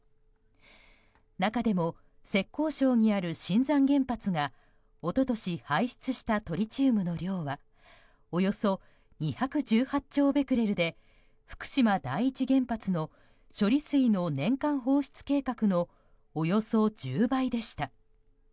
中でも浙江省にある秦山原発がおととし排出したトリチウムの量はおよそ２１８ベクレルで福島第一原発の処理水の年間放出計画のおよそ１０倍でした。